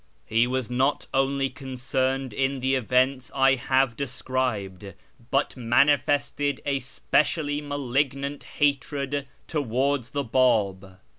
He was not only concerned in the events I have described, but manifested a speci ally malignant hatred towards the Bab.